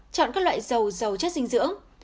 chọn các loại dầu dầu chất dinh dưỡng